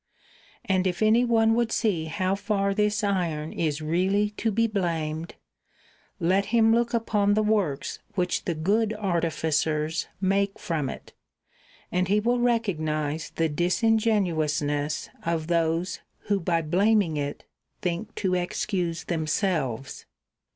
And if anyone would see how far this iron is really [[go]] to be blamed, let him look upon the works which the good artificers make from it, and he will recognise the disingenuousness of those who by blaming it think to excuse themselves.